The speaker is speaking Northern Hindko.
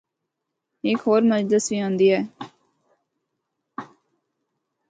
ہک ہور مجلس وی ہوندے اے۔